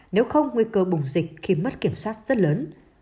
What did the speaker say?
nếu không nguy cơ bùng dịch khi mất kiểm soát rất lớn